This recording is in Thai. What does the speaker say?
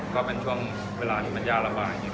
ก็เป็นช่วงเวลาที่มันยาละบาย